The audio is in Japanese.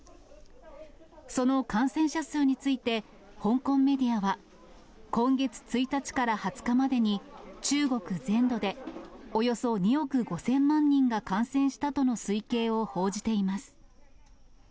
その感染者数について、香港メディアは、今月１日から２０日までに、中国全土でおよそ２億５０００万人が感染したとの推計を報じています。